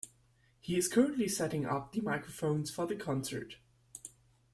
He is currently setting up the microphones for the concert.